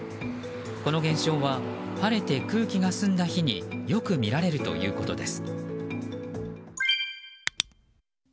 この現象は晴れて空気が澄んだ日によく見られるということです。